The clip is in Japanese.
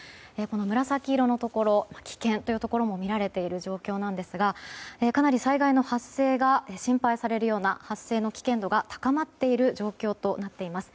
紫色のところ危険というところも見られている状況ですがかなり災害の発生が心配されるような発生の危険度が高まっている状況となっています。